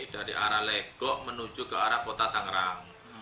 dari arah legok menuju ke arah kota tangerang